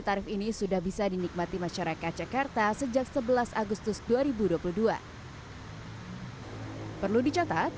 tarif ini sudah bisa dinikmati masyarakat jakarta sejak sebelas agustus dua ribu dua puluh dua perlu dicatat